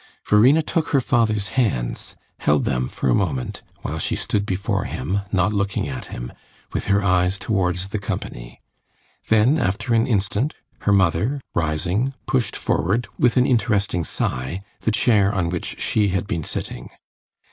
Verena took her father's hands, held them for a moment, while she stood before him, not looking at him, with her eyes towards the company; then, after an instant, her mother, rising, pushed forward, with an interesting sigh, the chair on which she had been sitting.